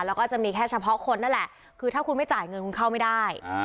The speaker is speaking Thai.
แล้วก็จะมีแค่เฉพาะคนนั่นแหละคือถ้าคุณไม่จ่ายเงินคุณเข้าไม่ได้